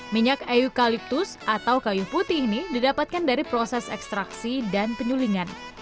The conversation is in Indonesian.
minyak eukaliptus atau kayu putih ini didapatkan dari proses ekstraksi dan penyulingan